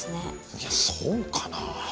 いやそうかなあ。